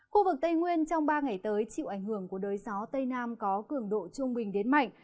khu vực tây nguyên trong ba ngày tới chịu ảnh hưởng của đới gió tây nam có cường độ trung bình đến mạnh